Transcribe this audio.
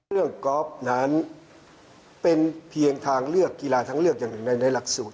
กอล์ฟนั้นเป็นเพียงทางเลือกกีฬาทางเลือกอย่างหนึ่งในหลักสูตร